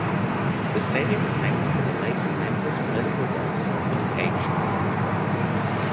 The stadium was named for the late Memphis political boss E. H. Crump.